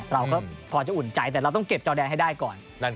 เราก็พอจะอุ่นใจแต่เราต้องเก็บจอแดนให้ได้ก่อน